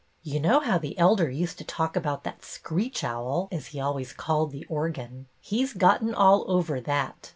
"You know how the Elder used to talk about that ' screech owl,' as he always called the organ. He's gotten all over that.